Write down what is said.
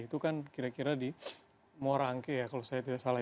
itu kan kira kira di morangke ya kalau saya tidak salah